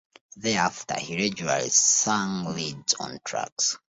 Thereafter he regularly sang leads on tracks.